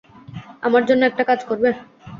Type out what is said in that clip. আমার জন্য একটা কাজ করবে?